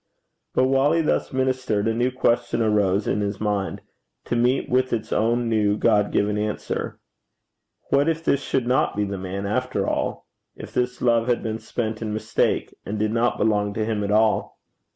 But while he thus ministered, a new question arose in his mind to meet with its own new, God given answer. What if this should not be the man after all? if this love had been spent in mistake, and did not belong to him at all?